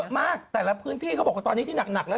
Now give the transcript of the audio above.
เยอะมากแต่ละพื้นที่ก็บอกเฉียบแล้ว